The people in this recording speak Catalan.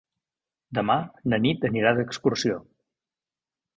Demà na Nit anirà d'excursió.